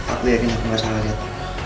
aku yakin aku gak salah lihat